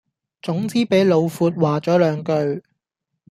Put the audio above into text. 總之俾老闊話左兩句